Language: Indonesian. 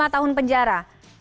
lima tahun penjara